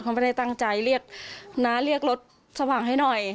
เขาไม่ได้ตั้งใจเรียกน้าเรียกรถสว่างให้หน่อย